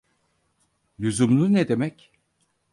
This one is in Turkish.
Lüzumlu ne demek?